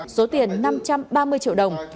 số tiền năm trăm ba mươi triệu đồng